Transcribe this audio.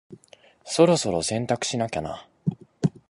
そろそろ洗濯しなきゃな。